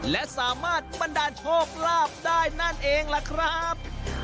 และสามารถบันดาลโชคลาภได้นั่นเองล่ะครับ